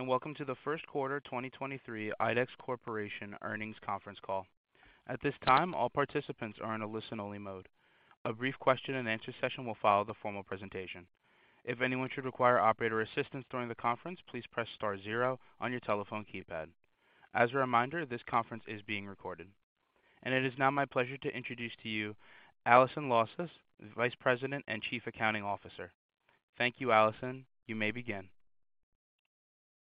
Welcome to the Q1 2023 IDEX Corporation earnings conference call. At this time, all participants are in a listen-only mode. A brief question and answer session will follow the formal presentation. If anyone should require operator assistance during the conference, please press star zero on your telephone keypad. As a reminder, this conference is being recorded. It is now my pleasure to introduce to you Allison Lausas, Vice President and Chief Accounting Officer. Thank you, Allison. You may begin.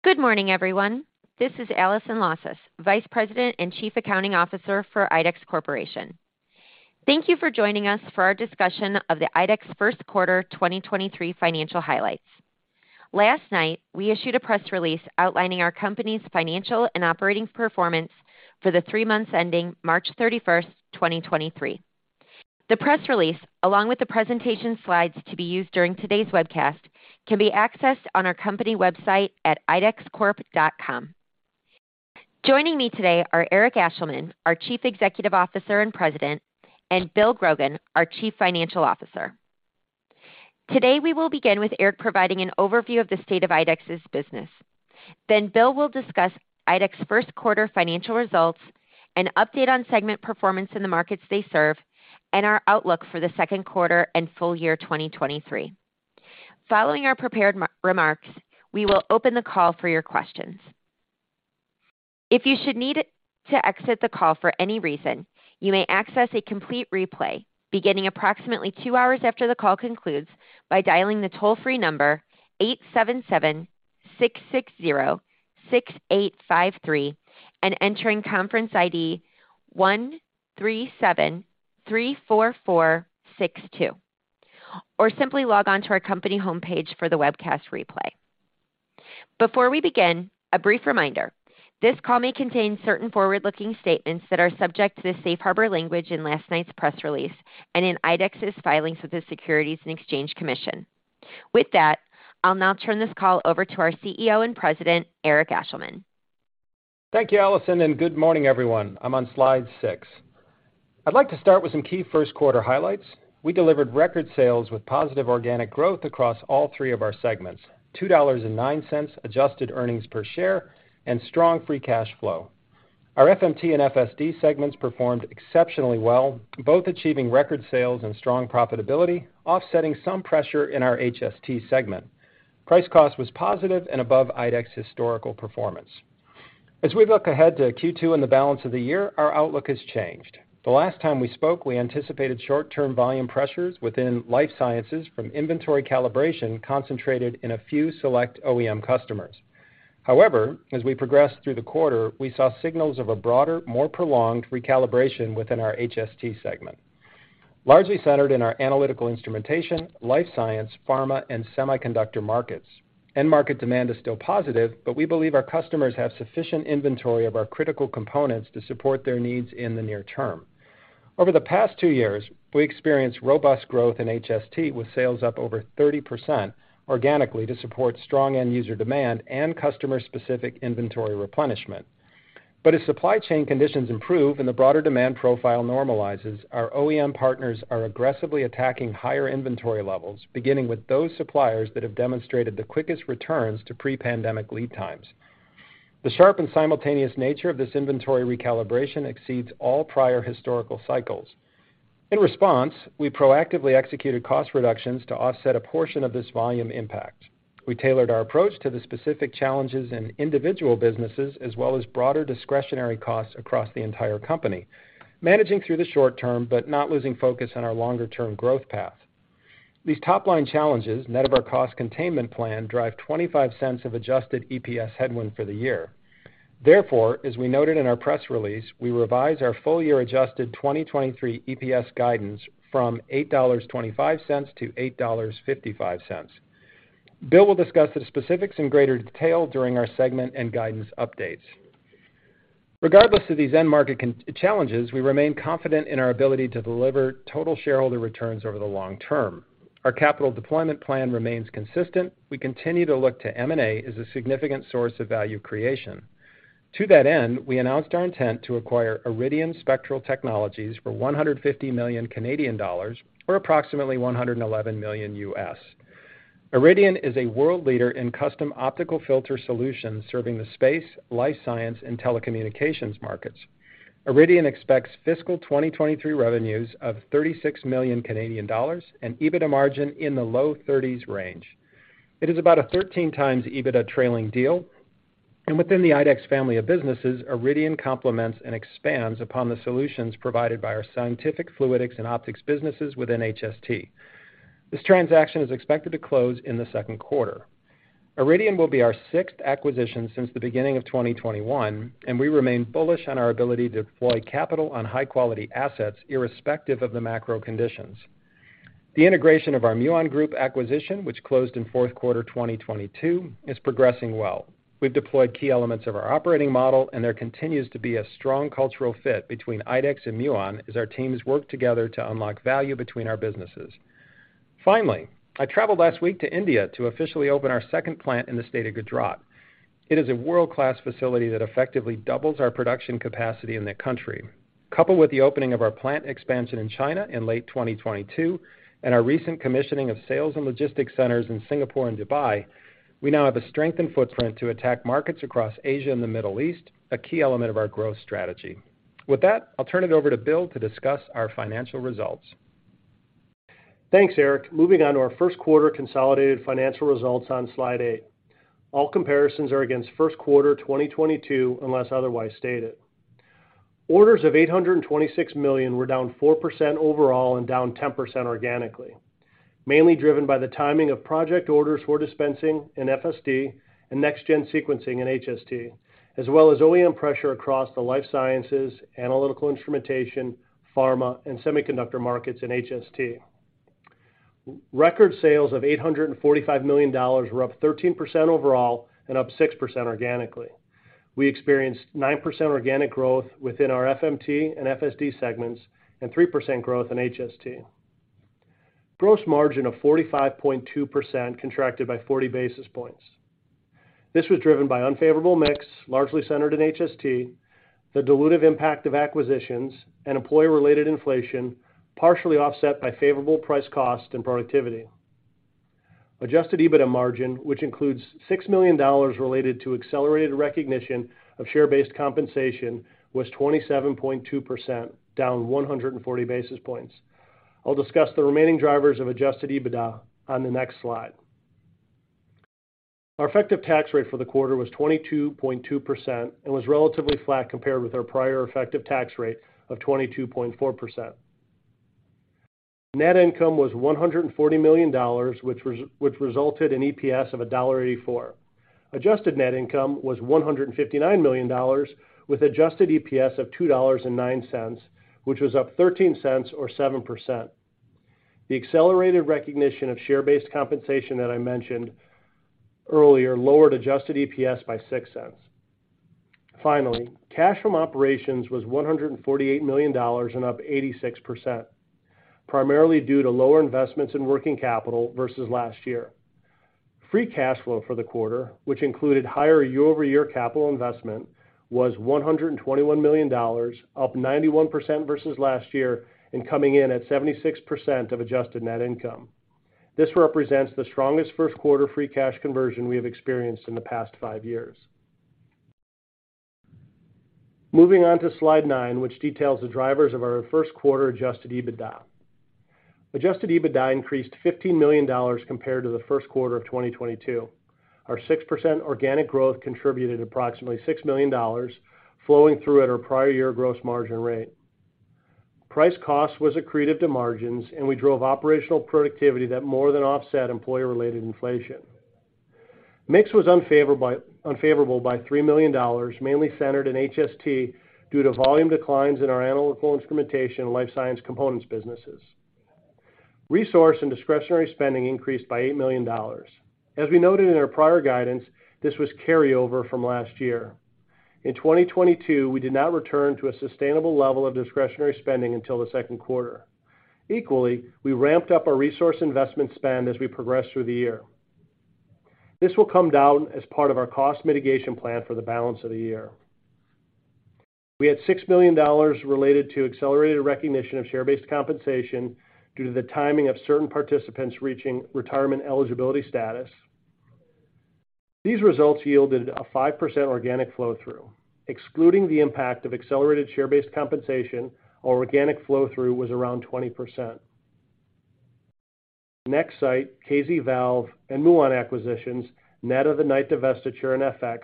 Good morning, everyone. This is Allison Lausas, Vice President and Chief Accounting Officer for IDEX Corporation. Thank you for joining us for our discussion of the IDEX Q1 2023 financial highlights. Last night, we issued a press release outlining our company's financial and operating performance for the three months ending March 31, 2023. The press release, along with the presentation slides to be used during today's webcast, can be accessed on our company website at idexcorp.com. Joining me today are Eric Ashleman, our Chief Executive Officer and President, and Bill Grogan, our Chief Financial Officer. Today, we will begin with Eric providing an overview of the state of IDEX's business. Bill will discuss IDEX's Q1 financial results, an update on segment performance in the markets they serve, and our outlook for the Q2 and full-year 2023. Following our prepared remarks, we will open the call for your questions. If you should need to exit the call for any reason, you may access a complete replay beginning approximately two hours after the call concludes by dialing the toll-free number 877-660-6853 and entering conference ID 13734462, or simply log on to our company homepage for the webcast replay. Before we begin, a brief reminder. This call may contain certain forward-looking statements that are subject to the safe harbor language in last night's press release and in IDEX's filings with the Securities and Exchange Commission. With that, I'll now turn this call over to our CEO and President, Eric Ashleman. Thank you, Allison, good morning, everyone. I'm on slide six. I'd like to start with some key Q1 highlights. We delivered record sales with positive organic growth across all three of our segments, $2.09 adjusted earnings per share and strong free cash flow. Our FMT and FSD segments performed exceptionally well, both achieving record sales and strong profitability, offsetting some pressure in our HST segment. Price cost was positive and above IDEX historical performance. As we look ahead to Q2 and the balance of the year, our outlook has changed. The last time we spoke, we anticipated short-term volume pressures within life sciences from inventory recalibration concentrated in a few select OEM customers. However, as we progressed through the quarter, we saw signals of a broader, more prolonged recalibration within our HST segment, largely centered in our analytical instrumentation, life science, pharma, and semiconductor markets. End market demand is still positive, but we believe our customers have sufficient inventory of our critical components to support their needs in the near term. Over the past two years, we experienced robust growth in HST, with sales up over 30% organically to support strong end user demand and customer-specific inventory replenishment. As supply chain conditions improve and the broader demand profile normalizes, our OEM partners are aggressively attacking higher inventory levels, beginning with those suppliers that have demonstrated the quickest returns to pre-pandemic lead times. The sharp and simultaneous nature of this inventory recalibration exceeds all prior historical cycles. In response, we proactively executed cost reductions to offset a portion of this volume impact. We tailored our approach to the specific challenges in individual businesses as well as broader discretionary costs across the entire company, managing through the short term but not losing focus on our longer-term growth path. These top-line challenges, net of our cost containment plan, drive $0.25 of adjusted EPS headwind for the year. As we noted in our press release, we revise our full-year adjusted 2023 EPS guidance from $8.25 to $8.55. Bill will discuss the specifics in greater detail during our segment and guidance updates. Regardless of these end market challenges, we remain confident in our ability to deliver total shareholder returns over the long term. Our capital deployment plan remains consistent. We continue to look to M&A as a significant source of value creation. To that end, we announced our intent to acquire Iridian Spectral Technologies for 150 million Canadian dollars or approximately $111 million. Iridian is a world leader in custom optical filter solutions serving the space, life science, and telecommunications markets. Iridian expects fiscal 2023 revenues of 36 million Canadian dollars and EBITDA margin in the low 30s range. It is about a 13x EBITDA trailing deal. Within the IDEX family of businesses, Iridian complements and expands upon the solutions provided by our Scientific Fluidics & Optics businesses within HST. This transaction is expected to close in the Q2. Iridian will be our sixth acquisition since the beginning of 2021. We remain bullish on our ability to deploy capital on high-quality assets, irrespective of the macro conditions. The integration of our Muon Group acquisition, which closed in Q4 2022, is progressing well. We've deployed key elements of our operating model, and there continues to be a strong cultural fit between IDEX and Muon as our teams work together to unlock value between our businesses. Finally, I traveled last week to India to officially open our second plant in the state of Gujarat. It is a world-class facility that effectively doubles our production capacity in the country. Coupled with the opening of our plant expansion in China in late 2022 and our recent commissioning of sales and logistics centers in Singapore and Dubai, we now have a strengthened footprint to attack markets across Asia and the Middle East, a key element of our growth strategy. With that, I'll turn it over to Bill to discuss our financial results. Thanks, Eric. Moving on to our Q1 consolidated financial results on slide eight. All comparisons are against Q1 2022 unless otherwise stated. Orders of $826 million were down 4% overall and down 10% organically. Mainly driven by the timing of project orders for dispensing in FSD and next-gen sequencing in HST, as well as OEM pressure across the life sciences, analytical instrumentation, pharma, and semiconductor markets in HST. Record sales of $845 million were up 13% overall and up 6% organically. We experienced 9% organic growth within our FMT and FSD segments and 3% growth in HST. Gross margin of 45.2% contracted by 40 basis points. This was driven by unfavorable mix, largely centered in HST, the dilutive impact of acquisitions and employee-related inflation, partially offset by favorable price cost and productivity. Adjusted EBITDA margin, which includes $6 million related to accelerated recognition of share-based compensation, was 27.2%, down 140 basis points. I'll discuss the remaining drivers of adjusted EBITDA on the next slide. Our effective tax rate for the quarter was 22.2% and was relatively flat compared with our prior effective tax rate of 22.4%. Net income was $140 million, which resulted in EPS of $1.84. Adjusted net income was $159 million with adjusted EPS of $2.09, which was up $0.13 or 7%. The accelerated recognition of share-based compensation that I mentioned earlier lowered adjusted EPS by $0.06. Finally, cash from operations was $148 million and up 86%, primarily due to lower investments in working capital versus last year. Free cash flow for the quarter, which included higher year-over-year capital investment, was $121 million, up 91% versus last year and coming in at 76% of adjusted net income. This represents the strongest Q1 free cash conversion we have experienced in the past five years. Moving on to slide nine, which details the drivers of our Q1 adjusted EBITDA. Adjusted EBITDA increased $15 million compared to the Q1 of 2022. Our 6% organic growth contributed approximately $6 million flowing through at our prior year gross margin rate. Price cost was accretive to margins. We drove operational productivity that more than offset employer-related inflation. Mix was unfavorable by $3 million, mainly centered in HST due to volume declines in our analytical instrumentation and life science components businesses. Resource and discretionary spending increased by $8 million. As we noted in our prior guidance, this was carryover from last year. In 2022, we did not return to a sustainable level of discretionary spending until the Q2. Equally, we ramped up our resource investment spend as we progressed through the year. This will come down as part of our cost mitigation plan for the balance of the year. We had $6 million related to accelerated recognition of share-based compensation due to the timing of certain participants reaching retirement eligibility status. These results yielded a 5% organic flow-through. Excluding the impact of accelerated share-based compensation, our organic flow-through was around 20%. Nexsight, KZValve, and Muon acquisitions, net of the Knight divestiture in FX,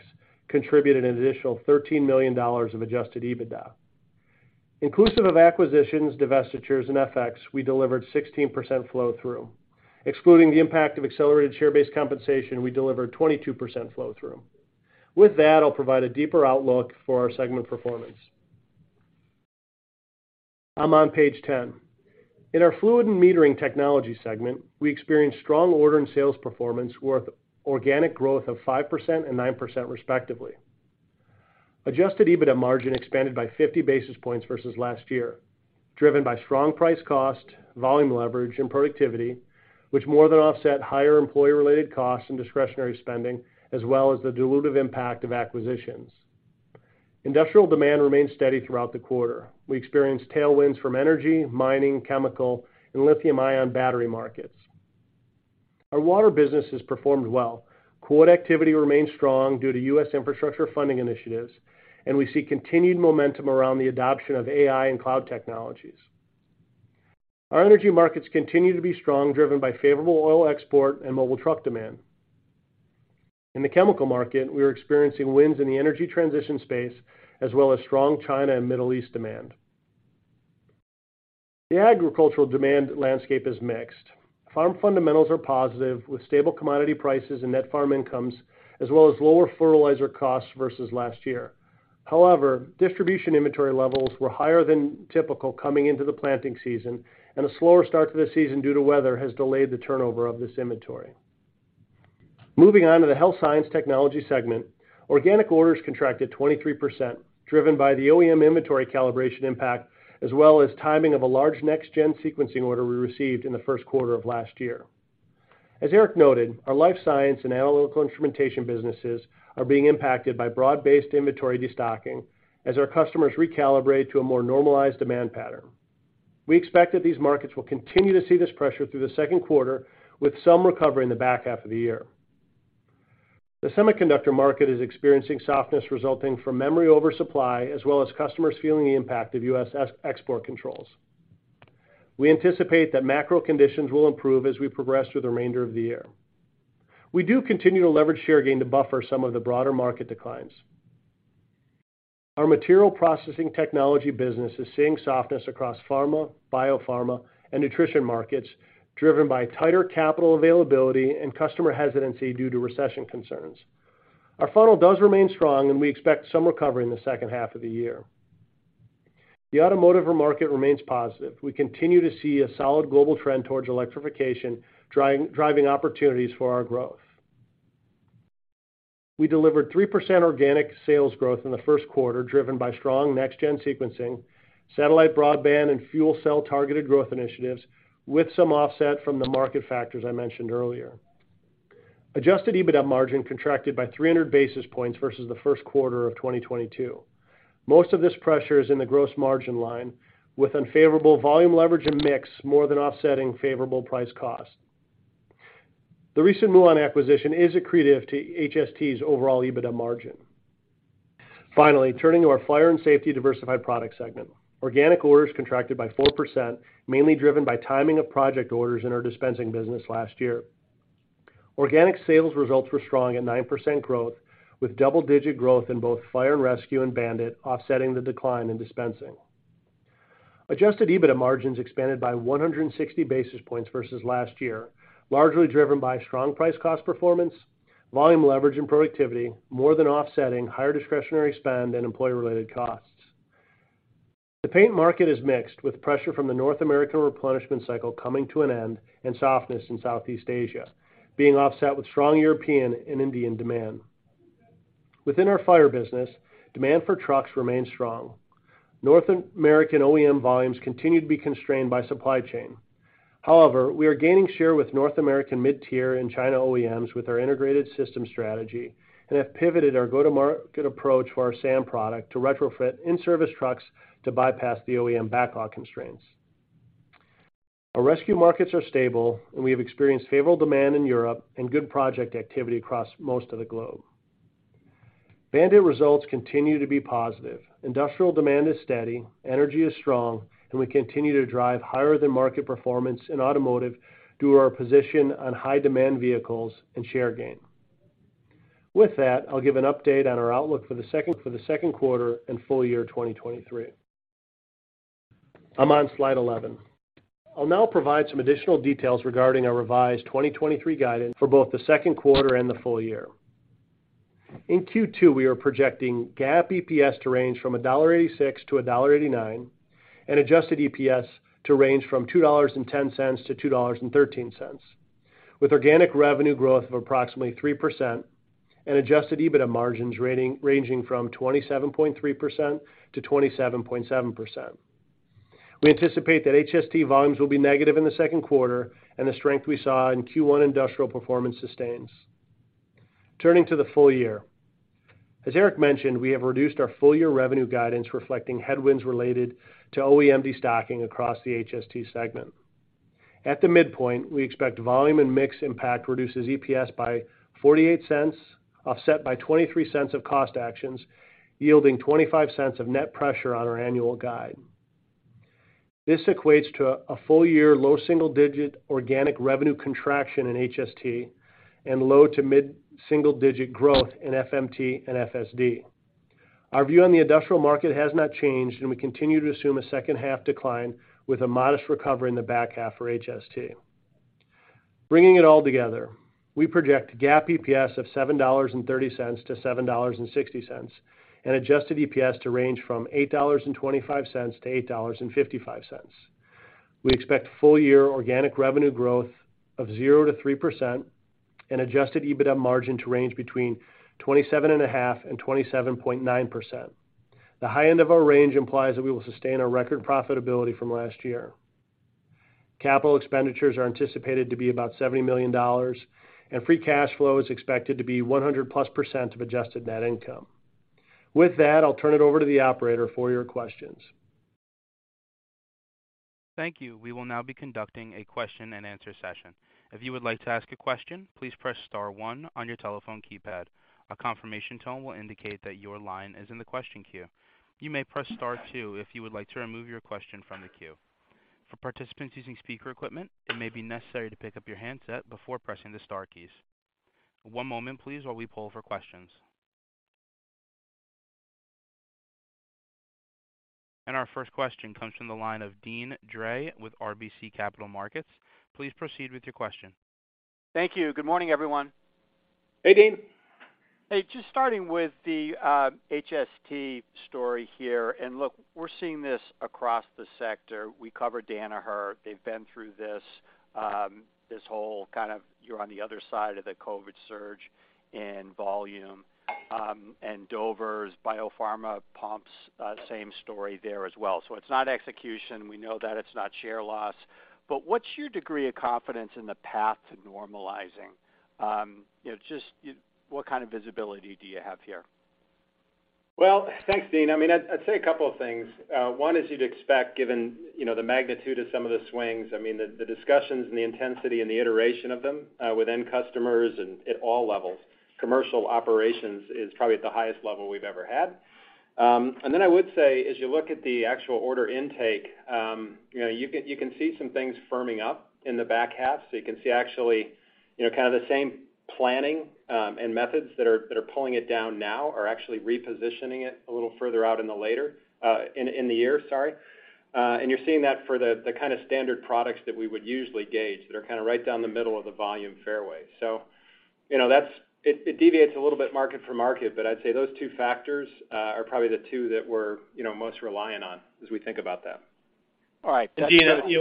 contributed an additional $13 million of adjusted EBITDA. Inclusive of acquisitions, divestitures, and FX, we delivered 16% flow-through. Excluding the impact of accelerated share-based compensation, we delivered 22% flow-through. With that, I'll provide a deeper outlook for our segment performance. I'm on page 10. In our Fluid and Metering Technologies segment, we experienced strong order and sales performance with organic growth of 5% and 9% respectively. Adjusted EBITDA margin expanded by 50 basis points versus last year, driven by strong price cost, volume leverage, and productivity, which more than offset higher employee-related costs and discretionary spending, as well as the dilutive impact of acquisitions. Industrial demand remained steady throughout the quarter. We experienced tailwinds from energy, mining, chemical, and lithium-ion battery markets. Our water business has performed well. Quote activity remains strong due to US infrastructure funding initiatives, and we see continued momentum around the adoption of AI and cloud technologies. Our energy markets continue to be strong, driven by favorable oil export and mobile truck demand. In the chemical market, we are experiencing wins in the energy transition space as well as strong China and Middle East demand. The agricultural demand landscape is mixed. Farm fundamentals are positive, with stable commodity prices and net farm incomes, as well as lower fertilizer costs versus last year. However, distribution inventory levels were higher than typical coming into the planting season, and a slower start to the season due to weather has delayed the turnover of this inventory. Moving on to the Health and Science Technologies segment. Organic orders contracted 23%, driven by the OEM inventory calibration impact as well as timing of a large next-gen sequencing order we received in the first quarter of last year. As Eric noted, our life science and analytical instrumentation businesses are being impacted by broad-based inventory destocking as our customers recalibrate to a more normalized demand pattern. We expect that these markets will continue to see this pressure through the Q2, with some recovery in the back half of the year. The semiconductor market is experiencing softness resulting from memory oversupply, as well as customers feeling the impact of US export controls. We anticipate that macro conditions will improve as we progress through the remainder of the year. We do continue to leverage share gain to buffer some of the broader market declines. Our Material Processing Technologies business is seeing softness across pharma, biopharma, and nutrition markets, driven by tighter capital availability and customer hesitancy due to recession concerns. Our funnel does remain strong, and we expect some recovery in the second half of the year. The automotive market remains positive. We continue to see a solid global trend towards electrification, driving opportunities for our growth. We delivered 3% organic sales growth in the Q1, driven by strong next-gen sequencing, satellite broadband, and fuel-cell-targeted growth initiatives, with some offset from the market factors I mentioned earlier. Adjusted EBITDA margin contracted by 300 basis points versus the Q1 of 2022. Most of this pressure is in the gross margin line, with unfavorable volume leverage and mix more than offsetting favorable price cost. The recent Muon acquisition is accretive to HST's overall EBITDA margin. Turning to our Fire and Safety and Diversified Products segment. Organic orders contracted by 4%, mainly driven by timing of project orders in our dispensing business last year. Organic sales results were strong at 9% growth, with double-digit growth in both fire and rescue and BAND-IT offsetting the decline in dispensing. Adjusted EBITDA margins expanded by 160 basis points versus last year, largely driven by strong price cost performance, volume leverage, and productivity more than offsetting higher discretionary spend and employee-related costs. The paint market is mixed, with pressure from the North American replenishment cycle coming to an end and softness in Southeast Asia being offset with strong European and Indian demand. Within our fire business, demand for trucks remains strong. North American OEM volumes continue to be constrained by supply chain. We are gaining share with North American mid-tier and China OEMs with our integrated system strategy and have pivoted our go-to-market approach for our SAM product to retrofit in-service trucks to bypass the OEM backlog constraints. Our rescue markets are stable. We have experienced favorable demand in Europe and good project activity across most of the globe. BAND-IT results continue to be positive. Industrial demand is steady. Energy is strong. We continue to drive higher than market performance in automotive through our position on high demand vehicles and share gain. With that, I'll give an update on our outlook for the Q2 and full-year 2023. I'm on slide 11. I'll now provide some additional details regarding our revised 2023 guidance for both the Q2 and the full-year. In Q2, we are projecting GAAP EPS to range from $1.86-$1.89 and adjusted EPS to range from $2.10-$2.13, with organic revenue growth of approximately 3% and adjusted EBITDA margins ranging from 27.3%-27.7%. We anticipate that HST volumes will be negative in the Q2 and the strength we saw in Q1 industrial performance sustains. Turning to the full-year. As Eric mentioned, we have reduced our full-year revenue guidance reflecting headwinds related to OEM destocking across the HST segment. At the midpoint, we expect volume and mix impact reduces EPS by $0.48, offset by $0.23 of cost actions, yielding $0.25 of net pressure on our annual guide. This equates to a full-year low single-digit organic revenue contraction in HST and low to mid single-digit growth in FMT and FSD. Our view on the industrial market has not changed. We continue to assume a second half decline with a modest recovery in the back half for HST. Bringing it all together, we project GAAP EPS of $7.30-$7.60 and adjusted EPS to range from $8.25-$8.55. We expect full-year organic revenue growth of 0%-3% and adjusted EBITDA margin to range between 27.5%-27.9%. The high end of our range implies that we will sustain our record profitability from last year. Capital expenditures are anticipated to be about $70 million. Free cash flow is expected to be 100+% of adjusted net income. With that, I'll turn it over to the operator for your questions. Thank you. We will now be conducting a question and answer session. If you would like to ask a question, please press star one on your telephone keypad. A confirmation tone will indicate that your line is in the question queue. You may press star two if you would like to remove your question from the queue. For participants using speaker equipment, it may be necessary to pick up your handset before pressing the star keys. One moment please while we poll for questions. Our first question comes from the line of Deane Dray with RBC Capital Markets. Please proceed with your question. Hey, Deane. Hey, just starting with the HST story here. We're seeing this across the sector. We cover Danaher. They've been through this whole kind of you're on the other side of the COVID surge in volume. Dover's biopharma pumps, same story there as well. It's not execution. We know that it's not share loss. What's your degree of confidence in the path to normalizing? You know, what kind of visibility do you have here? Well, thanks, Deane. I mean, I'd say a couple of things. One is you'd expect, given, you know, the magnitude of some of the swings. I mean, the discussions and the intensity and the iteration of them, within customers and at all levels, commercial operations is probably at the highest level we've ever had. And then I would say, as you look at the actual order intake, you know, you can see some things firming up in the back half. You can see actually, you know, kind of the same planning, and methods that are pulling it down now are actually repositioning it a little further out in the later in the year. Sorry. You're seeing that for the kind of standard products that we would usually gauge that are kind of right down the middle of the volume fairway. You know, it deviates a little bit market for market, but I'd say those two factors are probably the two that we're, you know, most reliant on as we think about that. All right. Deane, you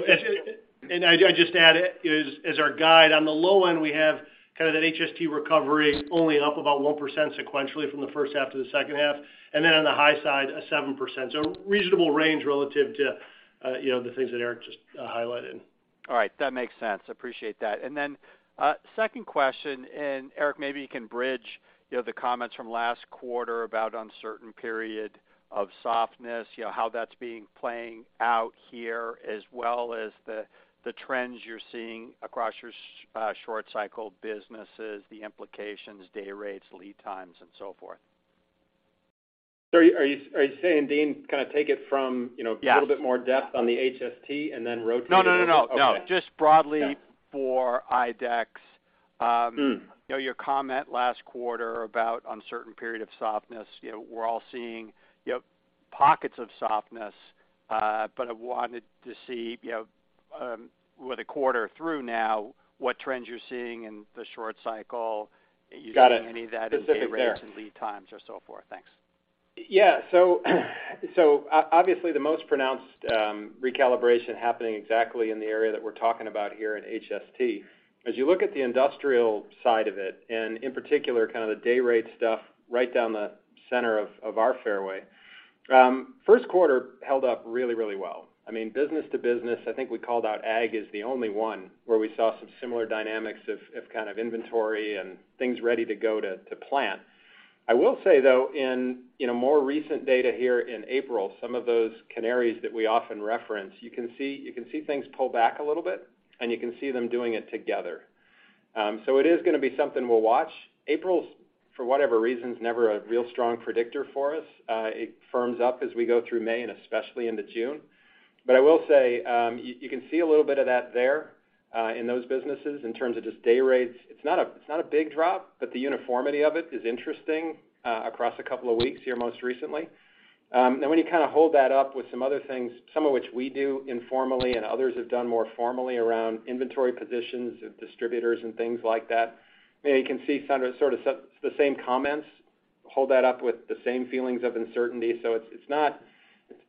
know, I just add as our guide on the low end, we have kind of that HST recovery only up about 1% sequentially from the first half to the second half. Then on the high side, a 7%. Reasonable range relative to, you know, the things that Eric just highlighted. All right. That makes sense. Appreciate that. Second question, Eric, maybe you can bridge, you know, the comments from last quarter about uncertain period of softness, you know, how that's being playing out here as well as the trends you're seeing across your short cycle businesses, the implications, day rates, lead times and so forth? Are you saying, Deane, kind of take it from, you know a little bit more depth on the HST and then rotate it over? No, no, no. Okay. Just broadly for IDEX you know, your comment last quarter about uncertain period of softness. You know, we're all seeing, you know, pockets of softness. I wanted to see, you know, with a quarter through now, what trends you're seeing in the short cycle? Got it. Are you seeing any of that in day rates and lead times or so forth? Thanks. Yeah. Obviously, the most pronounced recalibration happening exactly in the area that we're talking about here in HST. As you look at the industrial side of it, and in particular, kind of the day rate stuff right down the center of our fairway, Q1 held up really well. I mean, business to business, I think we called out ag as the only one where we saw some similar dynamics of kind of inventory and things ready to go to plant. I will say, though, in a more recent data here in April, some of those canaries that we often reference, you can see things pull back a little bit, and you can see them doing it together. It is gonna be something we'll watch. April's, for whatever reason, is never a real strong predictor for us. It firms up as we go through May and especially into June. I will say, you can see a little bit of that there in those businesses in terms of just day rates. It's not a, it's not a big drop, but the uniformity of it is interesting across a couple of weeks here most recently. And when you kind of hold that up with some other things, some of which we do informally and others have done more formally around inventory positions of distributors and things like that, you know, you can see kind of sort of the same comments, hold that up with the same feelings of uncertainty. It's, it's not,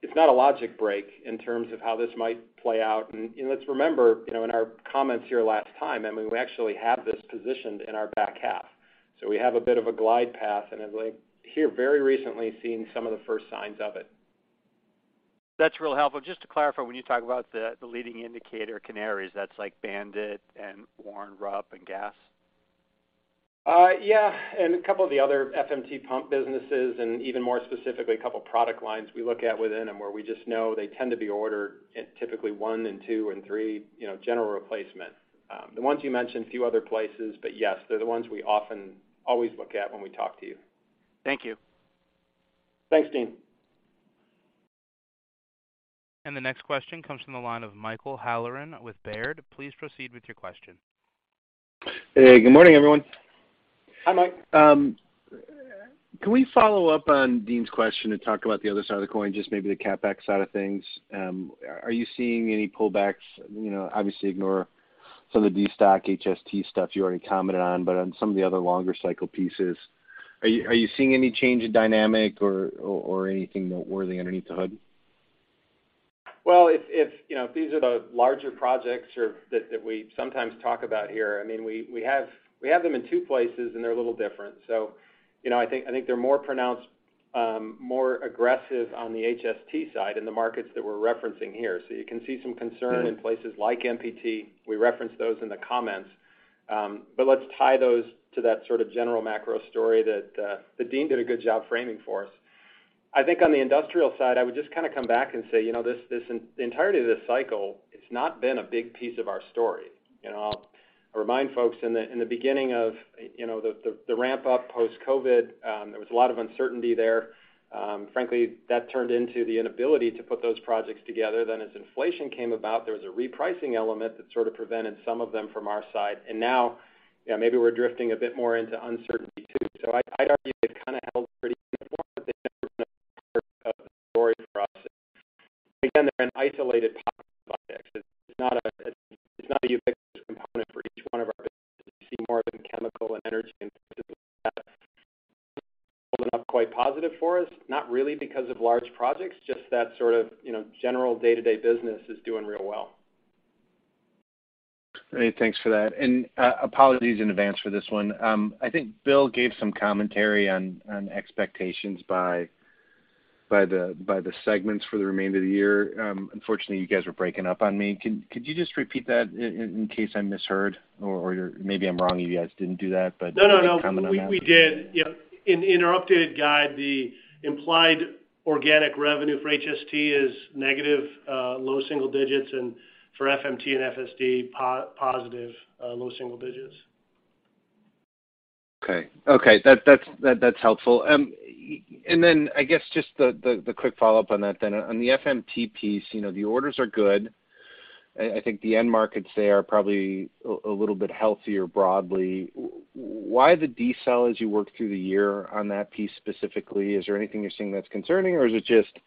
it's not a logic break in terms of how this might play out. You know, let's remember, you know, in our comments here last time, I mean, we actually have this positioned in our back half. We have a bit of a glide path, and I'd like here very recently seen some of the first signs of it. That's real helpful. Just to clarify, when you talk about the leading indicator canaries, that's like BAND-IT and Warren Rupp and Gast? Yeah, and a couple of the other FMT pump businesses, and even more specifically, a couple product lines we look at within them where we just know they tend to be ordered in typically one and two and three, you know, general replacement. The ones you mentioned, a few other places, but yes, they're the ones we often always look at when we talk to you. Thank you. Thanks, Deane. The next question comes from the line of Michael Halloran with Baird. Please proceed with your question. Hey, good morning, everyone. Hi, Mike. Can we follow up on Deane's question and talk about the other side of the coin, just maybe the CapEx side of things? Are you seeing any pullbacks? You know, obviously ignore some of the destock HST stuff you already commented on, but on some of the other longer cycle pieces, are you seeing any change in dynamic or anything noteworthy underneath the hood? Well, if, you know, these are the larger projects that we sometimes talk about here. I mean, we have them in two places, and they're a little different. You know, I think they're more pronounced, more aggressive on the HST side in the markets that we're referencing here. You can see some concern in places like MPT. We referenced those in the comments. Let's tie those to that sort of general macro story that Deane did a good job framing for us. I think on the industrial side, I would just kind of come back and say, you know, this, the entirety of this cycle has not been a big piece of our story. You know, I'll remind folks in the, in the beginning of, you know, the ramp up post-COVID, there was a lot of uncertainty there. Frankly, that turned into the inability to put those projects together. As inflation came about, there was a repricing element that sort of prevented some of them from our side. Now, you know, maybe we're drifting a bit more into uncertainty, too. I'd argue it's kind of held pretty before, but there's no of the story for us. Again, they're an isolated projects. It's, it's not a, it's not a ubiquitous component for each one of our businesses. You see more of them chemical and energy and things like that. Holding up quite positive for us, not really because of large projects, just that sort of, you know, general day-to-day business is doing real well. Great. Thanks for that. Apologies in advance for this one. I think Bill gave some commentary on expectations by the segments for the remainder of the year. Unfortunately, you guys were breaking up on me. Could you just repeat that in case I misheard or maybe I'm wrong, you guys didn't do that? No, no. Comment on that. We did. Yeah. In our updated guide, the implied organic revenue for HST is negative, low single-digit, and for FMT and FSD, positive, low single- digit. Okay. Okay. That's, that's helpful. Then I guess just the quick follow-up on that then. On the FMT piece, you know, the orders are good. I think the end markets there are probably a little bit healthier broadly. Why the decel as you work through the year on that piece specifically? Is there anything you're seeing that's concerning, or is it just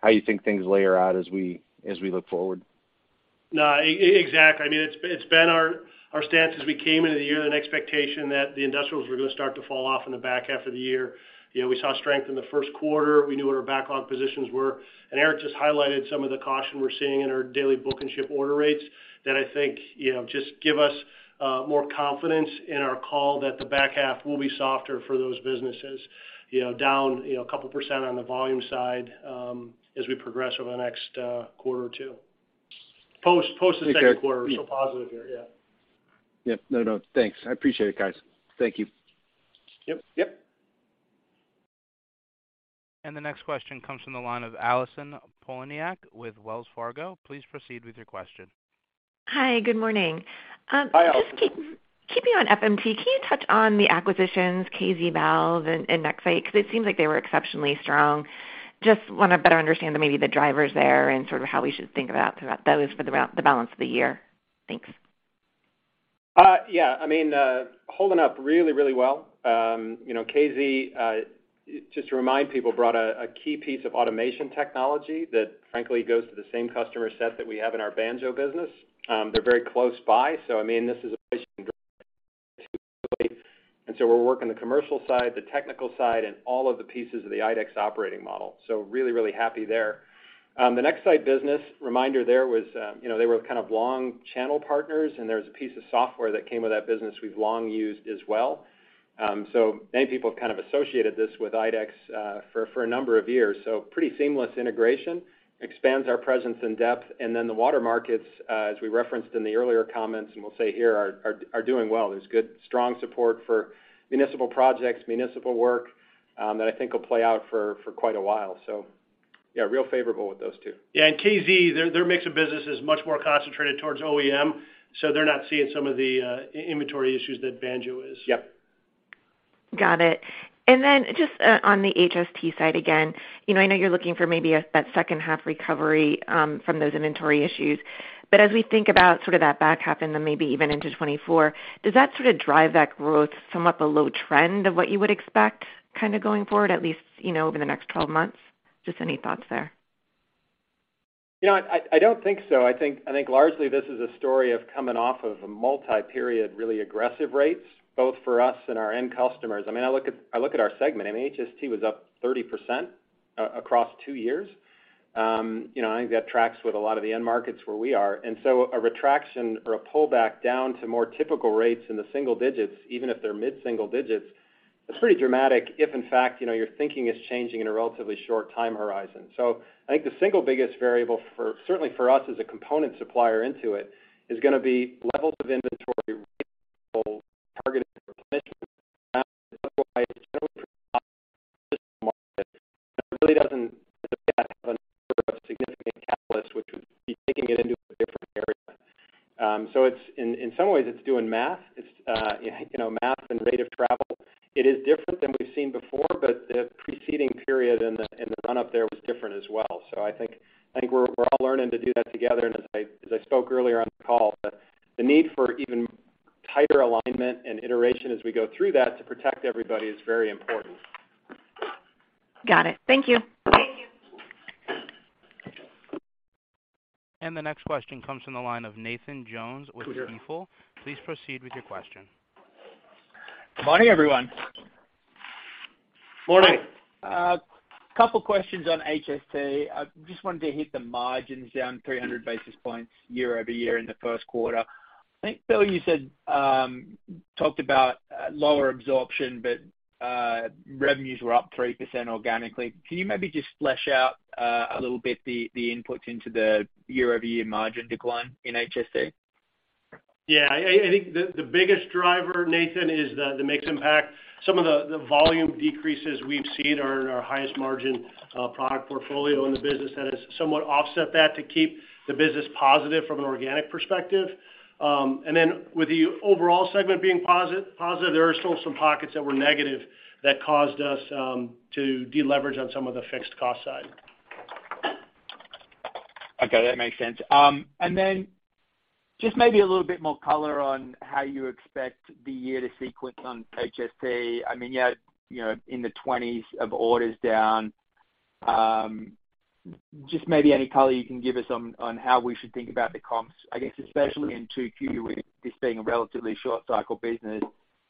how you think things layer out as we, as we look forward? No. Exactly. I mean, it's been our stance as we came into the year, an expectation that the industrials were gonna start to fall off in the back half of the year. You know, we saw strength in the Q1. We knew what our backlog positions were. Eric just highlighted some of the caution we're seeing in our daily book and ship order rates that I think, you know, just give us more confidence in our call that the back half will be softer for those businesses, you know, down 2% on the volume side, as we progress over the next quarter or two. Post the Q2. Okay. We're still positive here. Yeah. Yeah. No, no. Thanks. I appreciate it, guys. Thank you. Yep. Yep. The next question comes from the line of Allison Poliniak-Cusic with Wells Fargo. Please proceed with your question. Hi. Good morning. Hi, Allison. Just keeping on FMT, can you touch on the acquisitions, KZValve and Nexsight? Because it seems like they were exceptionally strong. Just wanna better understand maybe the drivers there and sort of how we should think about those for the balance of the year. Thanks. Yeah. I mean, holding up really, really well. You know, KZ, just to remind people, brought a key piece of automation technology that frankly goes to the same customer set that we have in our Banjo business. They're very close by, I mean, we're working the commercial side, the technical side, and all of the pieces of the IDEX Operating Model. Really, really happy there. The Nexsight business, reminder there was, you know, they were kind of long channel partners, and there was a piece of software that came with that business we've long used as well. Many people have kind of associated this with IDEX for a number of years, pretty seamless integration. Expands our presence in depth. The water markets, as we referenced in the earlier comments and we'll say here, are doing well. There's good, strong support for municipal projects, municipal work that I think will play out for quite a while. Yeah, real favorable with those two. Yeah. KZ, their mix of business is much more concentrated towards OEM, so they're not seeing some of the inventory issues that Banjo is. Yep. Got it. Then just on the HST side, again, you know, I know you're looking for maybe that second half recovery from those inventory issues. As we think about sort of that back half and then maybe even into 2024, does that sort of drive that growth somewhat below trend of what you would expect kind of going forward, at least, you know, over the next 12 months? Just any thoughts there? You know, I don't think so. I think largely this is a story of coming off of a multi-period, really aggressive rates, both for us and our end customers. I mean, I look at our segment, I mean, HST was up 30% across two years. You know, I think that tracks with a lot of the end markets where we are. A retraction or a pullback down to more typical rates in the single-digit, even if they're mid-single-digit, it's pretty dramatic if in fact, you know, your thinking is changing in a relatively short time horizon. I think the single biggest variable for, certainly for us as a component supplier into it, is gonna be levels of inventory really doesn't have a sort of significant catalyst which would be taking it into a different area. In some ways, it's doing math. It's, you know, math and rate of travel. It is different than we've seen before, the preceding period and the run up there was different as well. I think we're all learning to do that together. As I spoke earlier on the call, the need for even tighter alignment and iteration as we go through that to protect everybody is very important. Got it. Thank you. The next question comes from the line of Nathan Jones with Stifel Please proceed with your question. Good morning, everyone. Morning. A couple questions on HST. I just wanted to hit the margins down 300 basis points year-over-year in the Q1. I think, Bill, you said, talked about lower absorption, but revenues were up 3% organically. Can you maybe just flesh out a little bit the inputs into the year-over-year margin decline in HST? Yeah. I think the biggest driver, Nathan, is the mix impact. Some of the volume decreases we've seen are in our highest margin product portfolio in the business that has somewhat offset that to keep the business positive from an organic perspective. With the overall segment being positive, there are still some pockets that were negative that caused us to deleverage on some of the fixed cost side. Okay, that makes sense. Just maybe a little bit more color on how you expect the year to sequence on HST. I mean, you had, you know, in the twenties of orders down. Just maybe any color you can give us on how we should think about the comps, I guess especially in 2Q with this being a relatively short cycle business.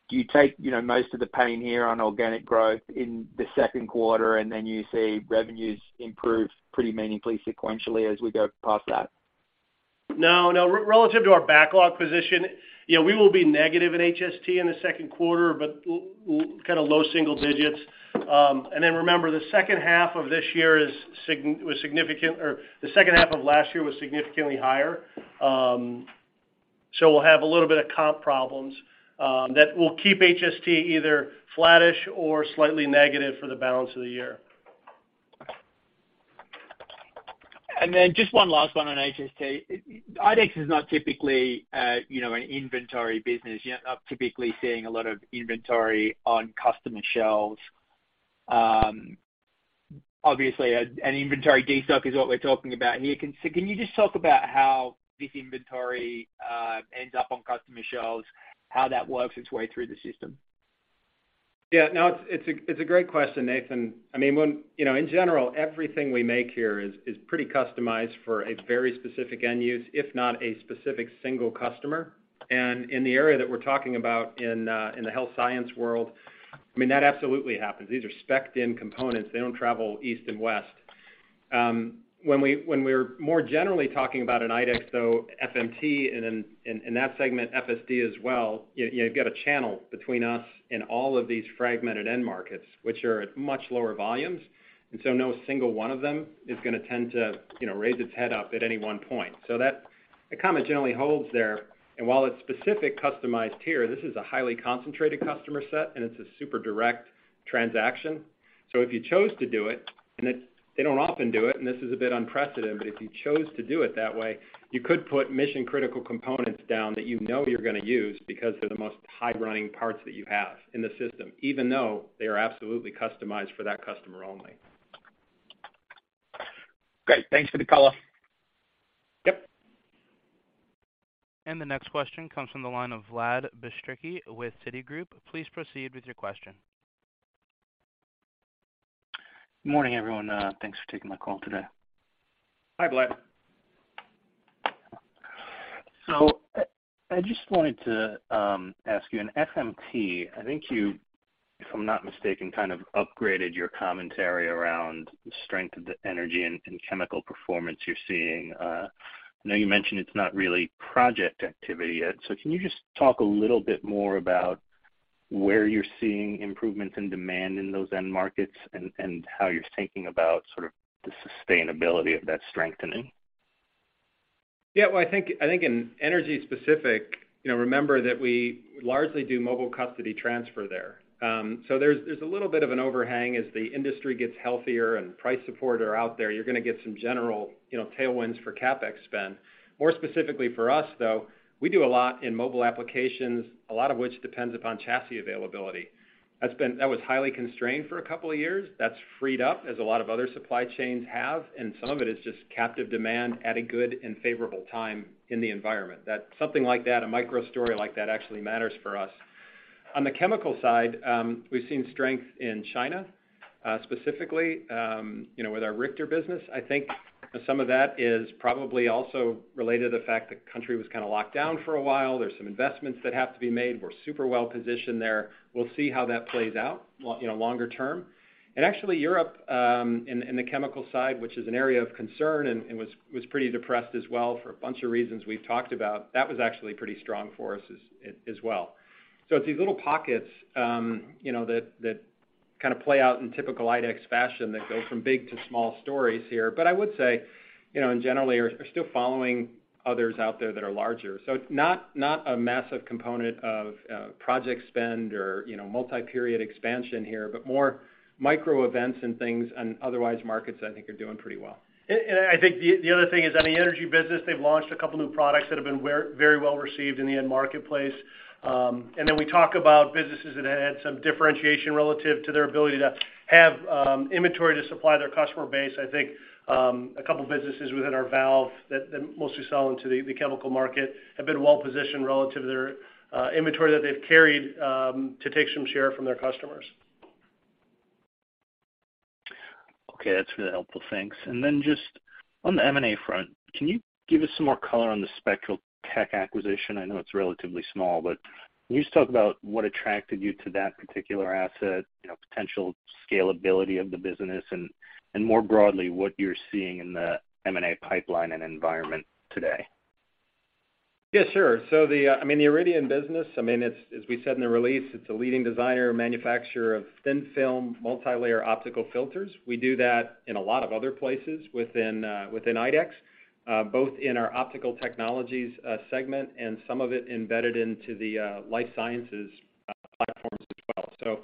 Do you take, you know, most of the pain here on organic growth in the Q2, and then you see revenues improve pretty meaningfully sequentially as we go past that? No, no. Relative to our backlog position, yeah, we will be negative in HST in the Q2, but kind of low single-digit. Remember, the second half of this year was significant, or the second half of last year was significantly higher. We'll have a little bit of comp problems, that will keep HST either flattish or slightly negative for the balance of the year. Just one last one on HST. IDEX is not typically, you know, an inventory business. You're not typically seeing a lot of inventory on customer shelves. Obviously, an inventory destock is what we're talking about here. Can you just talk about how this inventory ends up on customer shelves, how that works its way through the system? Yeah. No, it's a, it's a great question, Nathan. I mean, You know, in general, everything we make here is pretty customized for a very specific end use, if not a specific single customer. In the area that we're talking about in the health-science world, I mean, that absolutely happens. These are spec-ed in components. They don't travel east and west. When we're more generally talking about an IDEX, though, FMT in that segment, FSD as well, you know, you've got a channel between us and all of these fragmented end markets, which are at much lower volumes, and so no single one of them is gonna tend to, you know, raise its head up at any one point. That, that comment generally holds there. While it's specific customized here, this is a highly concentrated customer set, and it's a super direct transaction. If you chose to do it, they don't often do it, and this is a bit unprecedented, but if you chose to do it that way, you could put mission-critical components down that you know you're gonna use because they're the most high-running parts that you have in the system, even though they are absolutely customized for that customer only. Great. Thanks for the color. Yep. The next question comes from the line of Vlad Bystricky with Citigroup. Please proceed with your question. Morning, everyone. Thanks for taking my call today. Hi, Vlad. I just wanted to ask you, in FMT, I think you, if I'm not mistaken, kind of upgraded your commentary around the strength of the energy and chemical performance you're seeing. I know you mentioned it's not really project activity yet, so can you just talk a little bit more about where you're seeing improvements in demand in those end markets and how you're thinking about sort of the sustainability of that strengthening? Well, I think in energy specific, you know, remember that we largely do mobile custody transfer there. There's a little bit of an overhang as the industry gets healthier and price support are out there, you're gonna get some general, you know, tailwinds for CapEx spend. More specifically for us, though, we do a lot in mobile applications, a lot of which depends upon chassis availability. That was highly constrained for a couple of years. That's freed up as a lot of other supply chains have, and some of it is just captive demand at a good and favorable time in the environment. That something like that, a micro story like that actually matters for us. On the chemical side, we've seen strength in China, specifically, you know, with our Richter business. I think some of that is probably also related to the fact the country was kinda locked down for a while. There's some investments that have to be made. We're super well positioned there. We'll see how that plays out you know, longer term. Actually, Europe, in the chemical side, which is an area of concern and it was pretty depressed as well for a bunch of reasons we've talked about, that was actually pretty strong for us as well. It's these little pockets, you know, that kinda play out in typical IDEX fashion that go from big to small stories here. I would say, you know, and generally are still following others out there that are larger. It's not a massive component of project spend or, you know, multi-period expansion here, but more micro events and things and otherwise markets I think are doing pretty well. I think the other thing is on the energy business, they've launched a couple new products that have been very well received in the end marketplace. Then we talk about businesses that had some differentiation relative to their ability to have, inventory to supply their customer base. I think, a couple of businesses within our valve that mostly sell into the chemical market, have been well-positioned relative to their, inventory that they've carried, to take some share from their customers. Okay. That's really helpful. Thanks. Just on the M&A front, can you give us some more color on the Spectral Tech acquisition? I know it's relatively small, but can you just talk about what attracted you to that particular asset, you know, potential scalability of the business and more broadly, what you're seeing in the M&A pipeline and environment today? Yeah, sure. I mean, the Iridian business, I mean, it's, as we said in the release, it's a leading designer and manufacturer of thin-film, multi-layer optical filters. We do that in a lot of other places within IDEX, both in our Optical Technologies segment and some of it embedded into the life sciences platforms as well.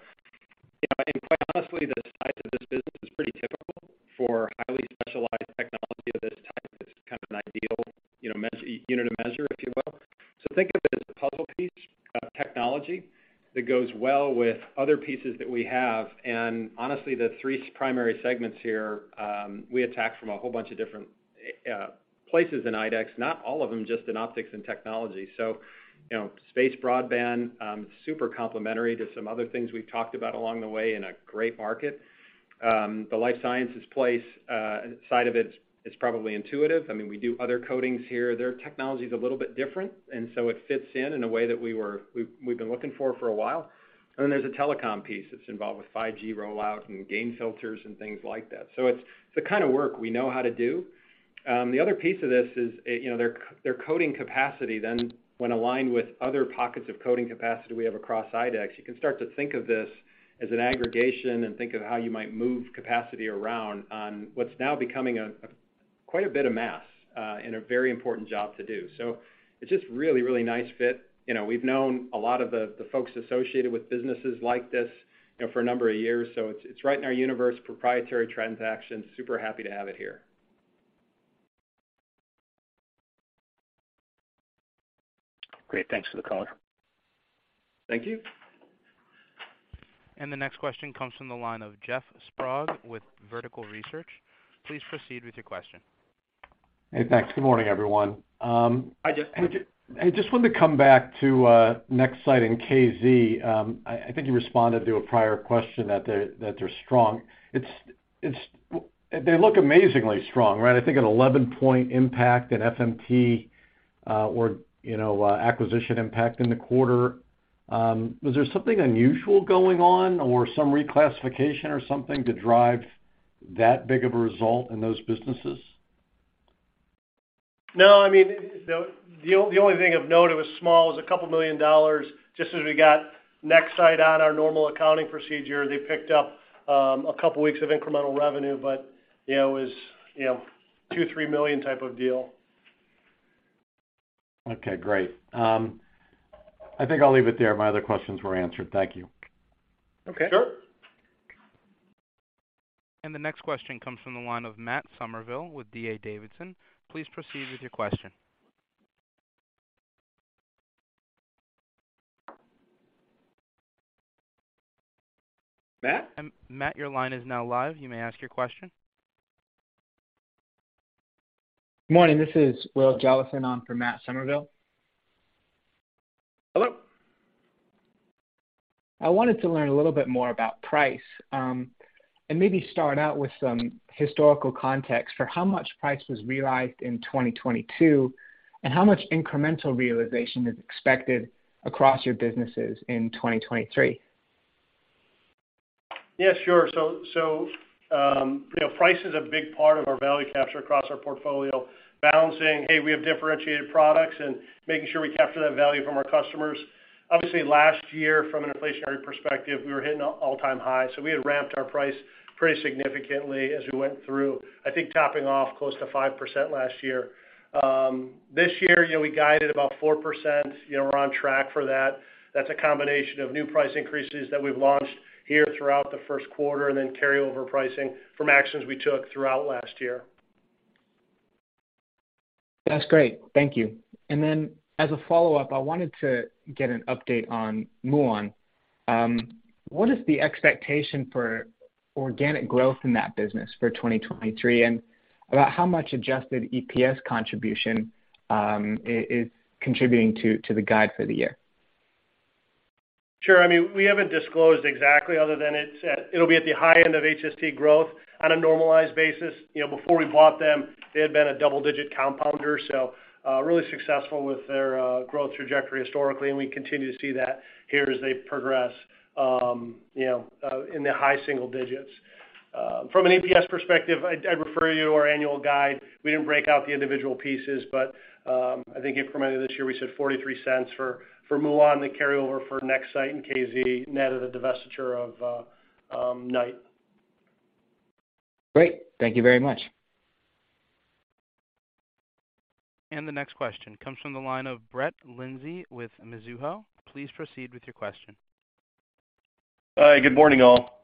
You know, and quite honestly, the size of this business is pretty typical for highly specialized technology of this type. It's kind of an ideal, you know, unit of measure, if you will. Think of it as a puzzle piece of technology that goes well with other pieces that we have. Honestly, the three primary segments here, we attack from a whole bunch of different places in IDEX, not all of them, just in optics and technology. You know, space broadband, super complementary to some other things we've talked about along the way in a great market. The life sciences place side of it is probably intuitive. I mean, we do other coatings here. Their technology is a little bit different, it fits in in a way that we've been looking for for a while. There's a telecom piece that's involved with 5G rollout and gain filters and things like that. It's the kind of work we know how to do. The other piece of this is, you know, their coating capacity then when aligned with other pockets of coating capacity we have across IDEX, you can start to think of this as an aggregation and think of how you might move capacity around on what's now becoming a. Quite a bit of mass, and a very important job to do. It's just really, really nice fit. You know, we've known a lot of the folks associated with businesses like this, you know, for a number of years, so it's right in our universe, proprietary transaction. Super happy to have it here. Great. Thanks for the color. Thank you. The next question comes from the line of Jeff Sprague with Vertical Research. Please proceed with your question. Hey, thanks. Good morning, everyone. Hi, Jeff. I just wanted to come back to Nexsight and KZValve. I think you responded to a prior question that they're strong. They look amazingly strong, right? I think an 11-point impact at FMT, or, you know, acquisition impact in the quarter. Was there something unusual going on or some reclassification or something to drive that big of a result in those businesses? I mean, the only thing of note, it was small. It was a couple million dollars just as we got Nexsight on our normal accounting procedure. They picked up a couple weeks of incremental revenue, you know, it was, you know, $2 million-$3 million type of deal. Okay, great. I think I'll leave it there. My other questions were answered. Thank you. Okay, sure. The next question comes from the line of Matt Summerville with D.A. Davidson. Please proceed with your question. Matt? Matt, your line is now live. You may ask your question. Morning, this is Will Jellison on for Matt Summerville. Hello. I wanted to learn a little bit more about price, maybe start out with some historical context for how much price was realized in 2022 and how much incremental realization is expected across your businesses in 2023. Yeah, sure. You know, price is a big part of our value capture across our portfolio, balancing, hey, we have differentiated products and making sure we capture that value from our customers. Obviously last year from an inflationary perspective, we were hitting all-time highs, so we had ramped our price pretty significantly as we went through, I think topping off close to 5% last year. This year, you know, we guided about 4%. You know, we're on track for that. That's a combination of new price increases that we've launched here throughout the Q1 and then carryover pricing from actions we took throughout last year. That's great. Thank you. As a follow-up, I wanted to get an update on Muon. What is the expectation for organic growth in that business for 2023, and about how much adjusted EPS contribution is contributing to the guide for the year? Sure. I mean, we haven't disclosed exactly other than it'll be at the high end of HST growth on a normalized basis. You know, before we bought them, they had been a double-digit compounder, so, really successful with their growth trajectory historically, and we continue to see that here as they progress, you know, in the high single-digit. From an EPS perspective, I'd refer you to our annual guide. We didn't break out the individual pieces, but, I think incrementally this year we said $0.43 for Muon, the carryover for Nexsight and KZ net of the divestiture of Knight. Great. Thank you very much. The next question comes from the line of Brett Linzey with Mizuho. Please proceed with your question. Hi, good morning, all.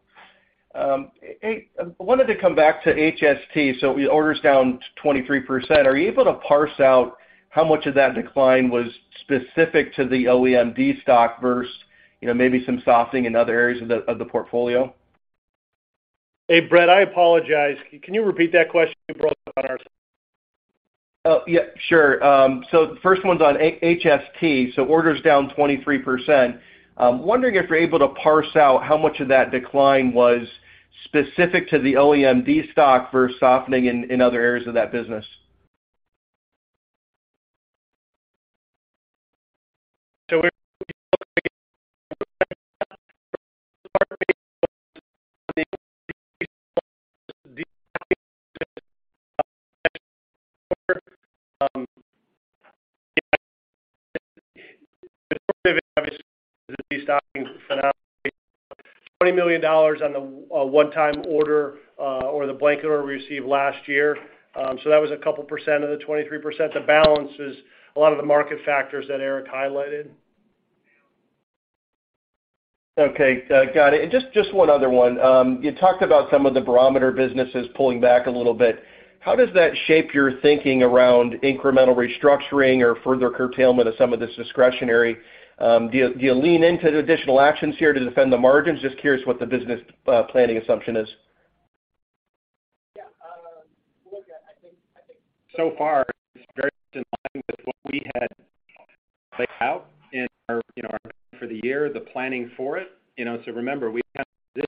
Hey, I wanted to come back to HST. With orders down 23%, are you able to parse out how much of that decline was specific to the OEM destock versus, you know, maybe some softening in other areas of the portfolio? Hey, Brett, I apologize. Can you repeat that question? You broke up on our side. Oh, yeah, sure. The first one's on HST, so orders down 23%. Wondering if you're able to parse out how much of that decline was specific to the OEM destock versus softening in other areas of that business? $20 million on the one-time order, or the blanket order we received last year. That was a couple percent of the 23%. The balance is a lot of the market factors that Eric highlighted. Okay. got it. Just one other one. You talked about some of the barometer businesses pulling back a little bit. How does that shape your thinking around incremental restructuring or further curtailment of some of this discretionary? Do you lean into additional actions here to defend the margins? Just curious what the business planning assumption is. Yeah. We'll look at it. So far it's very in line with what we had laid out in our, you know, our plan for the year, the planning for it. You know, remember, we had this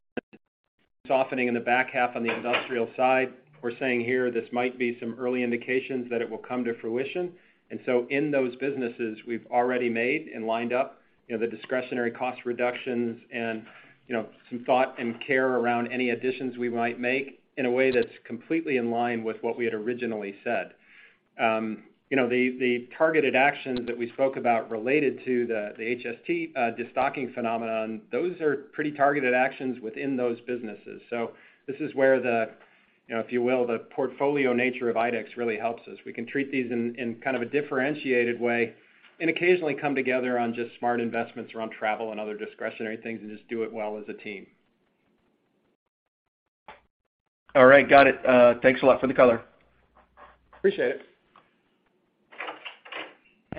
softening in the back half on the industrial side. We're saying here this might be some early indications that it will come to fruition. In those businesses, we've already made and lined up, you know, the discretionary cost reductions and, you know, some thought and care around any additions we might make in a way that's completely in line with what we had originally said. You know, the targeted actions that we spoke about related to the HST destocking phenomenon, those are pretty targeted actions within those businesses. This is where the, you know, if you will, the portfolio nature of IDEX really helps us. We can treat these in kind of a differentiated way and occasionally come together on just smart investments around travel and other discretionary things and just do it well as a team. All right. Got it. Thanks a lot for the color. Appreciate it.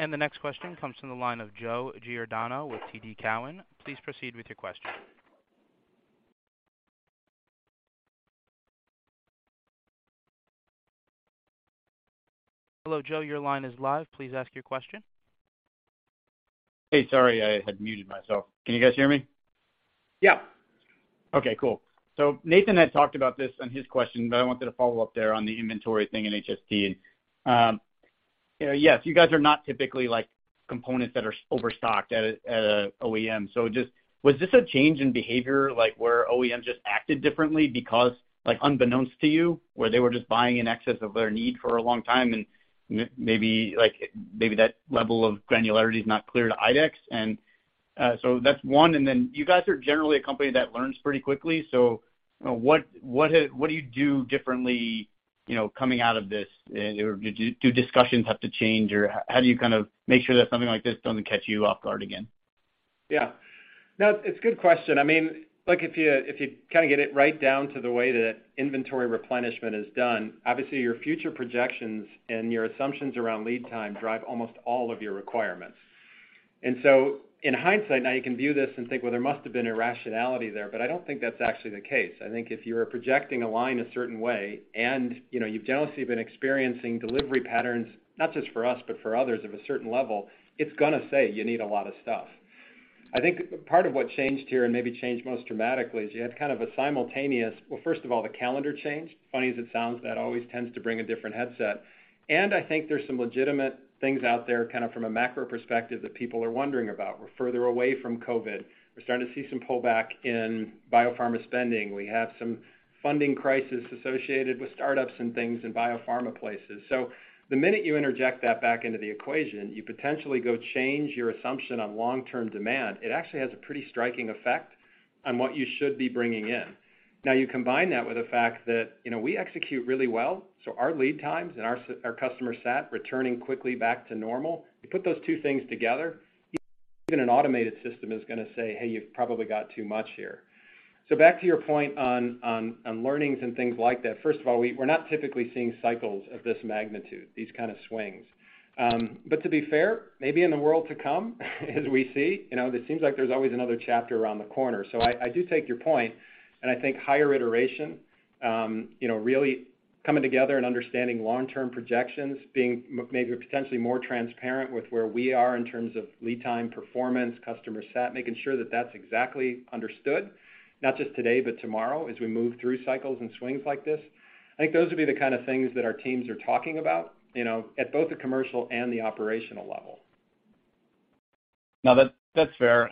The next question comes from the line of Joe Giordano with TD Cowen. Please proceed with your question. Hello, Joe, your line is live. Please ask your question. Hey, sorry, I had muted myself. Can you guys hear me? Yeah. Okay, cool. Nathan had talked about this on his question, but I wanted to follow up there on the inventory thing in HST. You know, yes, you guys are not typically like components that are overstocked at a OEM. Was this a change in behavior, like, where OEMs just acted differently because, like, unbeknownst to you, where they were just buying in excess of their need for a long time and maybe that level of granularity is not clear to IDEX? That's one. You guys are generally a company that learns pretty quickly. You know, what do you do differently, you know, coming out of this? Do discussions have to change or how do you kind of make sure that something like this doesn't catch you off guard again? Yeah. No, it's a good question. I mean, look, if you, if you kinda get it right down to the way that inventory replenishment is done, obviously, your future projections and your assumptions around lead time drive almost all of your requirements. In hindsight, now you can view this and think, "Well, there must have been a rationality there," but I don't think that's actually the case. I think if you're projecting a line a certain way and, you know, you've generally been experiencing delivery patterns, not just for us, but for others of a certain level, it's gonna say you need a lot of stuff. I think part of what changed here, and maybe changed most dramatically, is you had kind of a Well, first of all, the calendar changed. Funny as it sounds, that always tends to bring a different headset. I think there's some legitimate things out there, kind of from a macro perspective, that people are wondering about. We're further away from COVID. We're starting to see some pullback in biopharma spending. We have some funding crisis associated with startups and things in biopharma places. The minute you interject that back into the equation, you potentially go change your assumption on long-term demand. It actually has a pretty striking effect on what you should be bringing in. You combine that with the fact that, you know, we execute really well, so our lead times and our customer sat returning quickly back to normal. You put those two things together, even an automated system is gonna say, "Hey, you've probably got too much here." Back to your point on learnings and things like that, first of all, we're not typically seeing cycles of this magnitude, these kind of swings. To be fair, maybe in the world to come, as we see, you know, it seems like there's always another chapter around the corner. I do take your point, and I think higher iteration, you know, really coming together and understanding long-term projections, being maybe potentially more transparent with where we are in terms of lead time performance, customer sat, making sure that that's exactly understood, not just today, but tomorrow, as we move through cycles and swings like this. I think those would be the kind of things that our teams are talking about, you know, at both the commercial and the operational level. No, that's fair.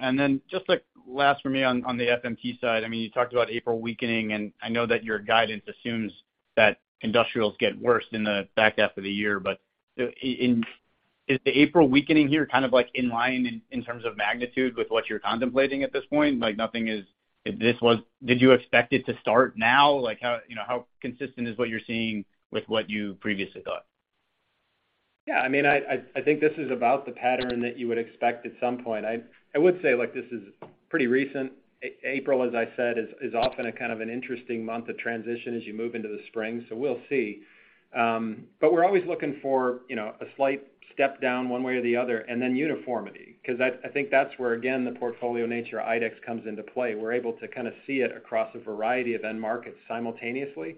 Just, like, last for me on the FMT side, I mean, you talked about April weakening, I know that your guidance assumes that industrials get worse in the back half of the year. Is the April weakening here kind of like in line in terms of magnitude with what you're contemplating at this point? Like, did you expect it to start now? Like how, you know, how consistent is what you're seeing with what you previously thought? Yeah. I mean, I think this is about the pattern that you would expect at some point. I would say, like, this is pretty recent. April, as I said, is often a kind of an interesting month of transition as you move into the spring, so we'll see. We're always looking for, you know, a slight step down one way or the other and then uniformity. 'Cause that's. I think that's where, again, the portfolio nature of IDEX comes into play. We're able to kind of see it across a variety of end markets simultaneously,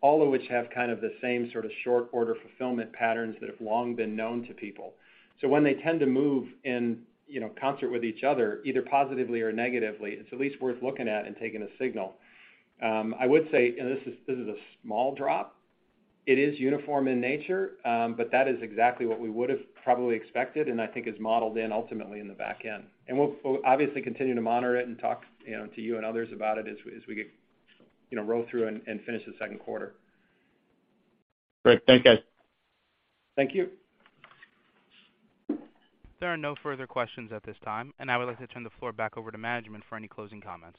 all of which have kind of the same sort of short order fulfillment patterns that have long been known to people. When they tend to move in, you know, concert with each other, either positively or negatively, it's at least worth looking at and taking a signal. I would say, this is a small drop. It is uniform in nature, that is exactly what we would have probably expected, and I think is modeled in ultimately in the back end. We'll obviously continue to monitor it and talk to you and others about it as we get roll through and finish the Q2. Great. Thanks, guys. Thank you. There are no further questions at this time, and I would like to turn the floor back over to management for any closing comments.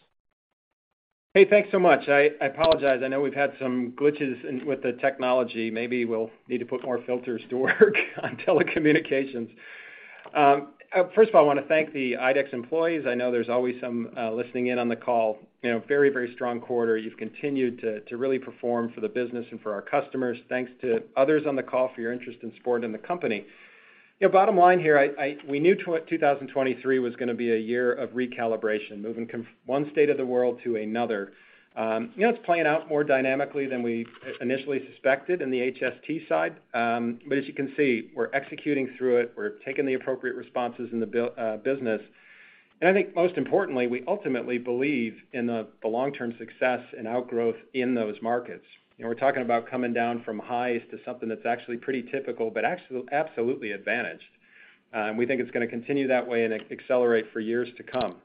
Hey, thanks so much. I apologize, I know we've had some glitches with the technology. Maybe we'll need to put more filters to work on telecommunications. First of all, I wanna thank the IDEX employees. I know there's always some, listening in on the call. You know, very strong quarter. You've continued to really perform for the business and for our customers. Thanks to others on the call for your interest in support in the company. You know, bottom line here, I, we knew 2023 was gonna be a year of recalibration, moving one state of the world to another. You know, it's playing out more dynamically than we initially suspected in the HST side. As you can see, we're executing through it. We're taking the appropriate responses in the business. I think most importantly, we ultimately believe in the long-term success and outgrowth in those markets. You know, we're talking about coming down from highs to something that's actually pretty typical but absolutely advantaged. We think it's gonna continue that way and accelerate for years to come.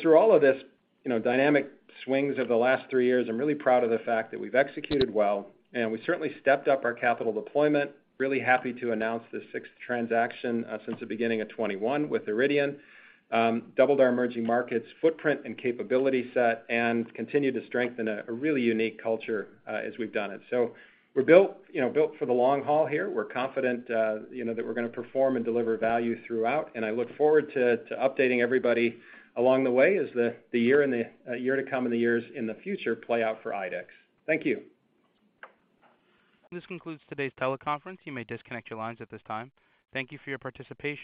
Through all of this, you know, dynamic swings of the last three years, I'm really proud of the fact that we've executed well and we certainly stepped up our capital deployment. Really happy to announce the sixth transaction since the beginning of 2021 with Iridian, doubled our emerging markets footprint and capability set, and continue to strengthen a really unique culture as we've done it. We're built, you know, built for the long haul here. We're confident, you know, that we're gonna perform and deliver value throughout, and I look forward to updating everybody along the way as the year and the year to come and the years in the future play out for IDEX. Thank you. This concludes today's teleconference. You may disconnect your lines at this time. Thank you for your participation.